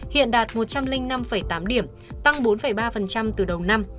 hiện đạt một trăm linh năm tám điểm tăng bốn ba từ đầu năm